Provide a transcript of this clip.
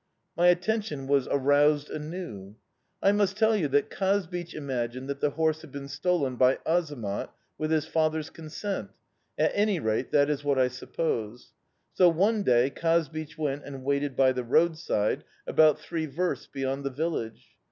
My attention was aroused anew. "I must tell you that Kazbich imagined that the horse had been stolen by Azamat with his father's consent; at any rate, that is what I suppose. So, one day, Kazbich went and waited by the roadside, about three versts beyond the village.